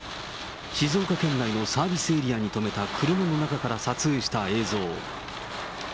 これはきょう深夜１時ごろ、静岡県内のサービスエリアに止めた車の中から撮影した映像。